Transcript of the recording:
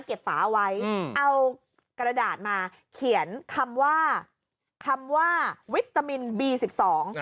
ฝาเอาไว้อืมเอากระดาษมาเขียนคำว่าคำว่าวิตามินบีสิบสอง